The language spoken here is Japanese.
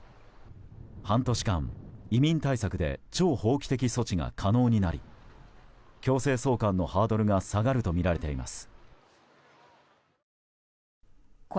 半年間、移民対策で超法規的措置が可能になり強制送還のハードルが下がるとみられています。